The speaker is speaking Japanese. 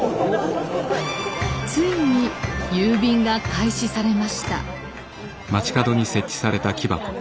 ついに郵便が開始されました。